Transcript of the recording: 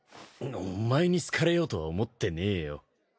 お前に好かれようとは思ってねえよ。